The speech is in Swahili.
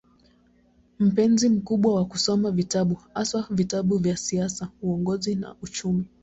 Mpenzi mkubwa wa kusoma vitabu, haswa vitabu vya siasa, uongozi na uchumi.